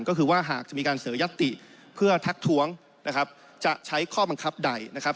ก็คือว่าหากจะมีการเสนอยัตติเพื่อทักท้วงนะครับจะใช้ข้อบังคับใดนะครับ